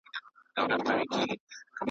احتیاط ښه دی په حساب د هوښیارانو .